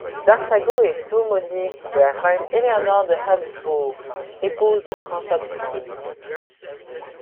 D'Arsago est aumônier de la reine Éléonore de Habsbourg, épouse de François de France.